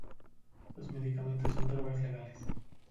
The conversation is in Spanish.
Los medicamentos son drogas legales.